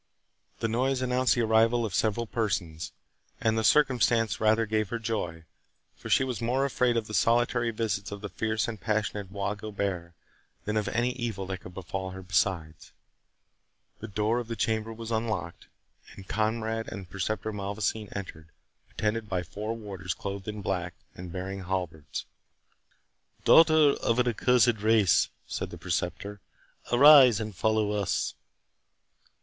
The noise announced the arrival of several persons, and the circumstance rather gave her joy; for she was more afraid of the solitary visits of the fierce and passionate Bois Guilbert than of any evil that could befall her besides. The door of the chamber was unlocked, and Conrade and the Preceptor Malvoisin entered, attended by four warders clothed in black, and bearing halberds. "Daughter of an accursed race!" said the Preceptor, "arise and follow us."